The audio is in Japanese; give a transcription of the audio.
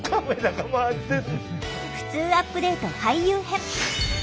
ふつうアップデート俳優編。